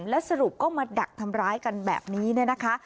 แล้วสรุปก็มาดักทำร้ายกันแบบนี้เนี่ยนะคะ